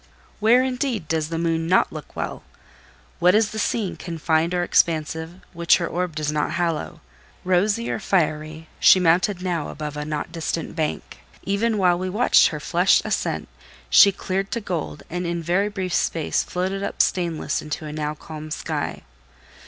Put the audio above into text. Where, indeed, does the moon not look well? What is the scene, confined or expansive, which her orb does not hallow? Rosy or fiery, she mounted now above a not distant bank; even while we watched her flushed ascent, she cleared to gold, and in very brief space, floated up stainless into a now calm sky.